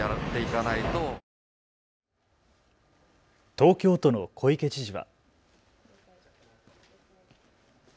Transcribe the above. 東京都の小池知事は。